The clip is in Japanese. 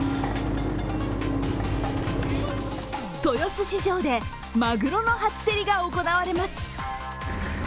豊洲市場でまぐろの初競りが行われます。